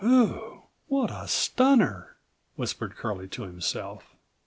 "Whew! What a stunner!" whispered Curlie to himself.